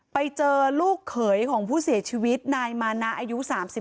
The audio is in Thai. ไปเจอลูกเขยของผู้เสียชีวิตนายมานะอายุ๓๒